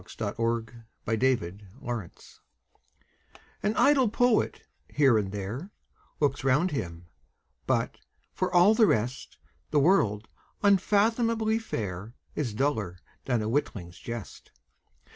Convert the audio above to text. Coventry Patmore The Revelation AN idle poet, here and there, Looks round him, but, for all the rest, The world, unfathomably fair, Is duller than a witling's jest.